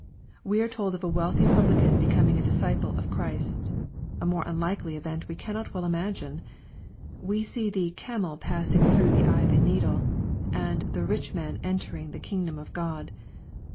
We are told of a wealthy publican becoming a disciple of Christ. A more unlikely event we cannot well ima gine 1 We see the " camel passing through the eye of a needle," and the " rich man entering the kingdom of God."